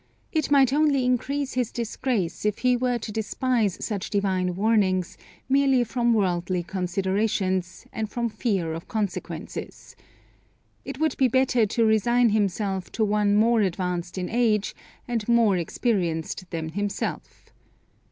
It might only increase his disgrace if he were to despise such divine warnings merely from worldly considerations, and from fear of consequences. It would be better to resign himself to one more advanced in age, and more experienced than himself.